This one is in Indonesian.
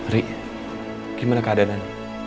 ri gimana keadaan